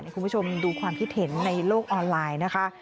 คุณผู้ชมดูความคิดเห็นในโลกออนไลน์นะคะ